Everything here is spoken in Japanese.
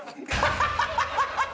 ハハハハ！